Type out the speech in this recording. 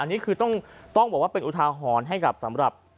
อันนี้คือต้องบอกว่าเป็นอุทาหรณ์ให้กับสำหรับ